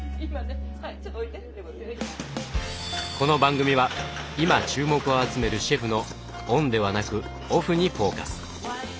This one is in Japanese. この番組は今注目を集めるシェフのオンではなくオフにフォーカス。